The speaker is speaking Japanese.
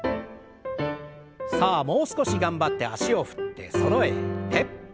さあもう少し頑張って脚を振ってそろえて。